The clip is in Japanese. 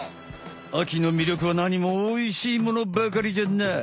秋のみりょくはなにもおいしいものばかりじゃない。